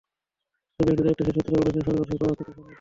তবে একটি দায়িত্বশীল সূত্র বলেছে, সরকার শতভাগ ক্ষেত্রেই সম্মতি আশা করে।